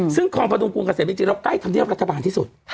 ซึ่งคลองพระดุงกรุงเกษมจริงแล้วใกล้ธรรมเนียบรัฐบาลที่สุด